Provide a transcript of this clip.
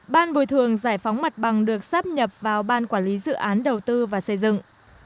ban bồi thường giải phóng mặt bằng được sắp nhập vào ban quản lý dự án đầu tư và xây dựng